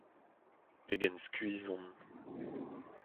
Pegen skuizh on.